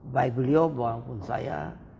baik beliau maupun saya